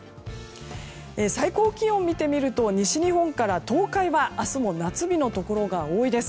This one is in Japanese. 最高気温を見てみると西日本から東海は明日も夏日のところが多いです。